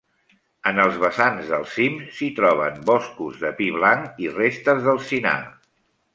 En els vessants dels cims s'hi troben boscos de pi blanc i restes d'alzinar.